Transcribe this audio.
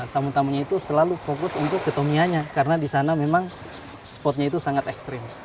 tamu tamunya itu selalu fokus untuk ke tomianya karena di sana memang spotnya itu sangat ekstrim